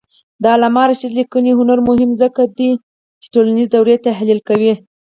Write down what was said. د علامه رشاد لیکنی هنر مهم دی ځکه چې ټولنیز دورې تحلیل کوي.